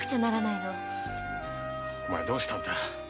お前どうしたんだ？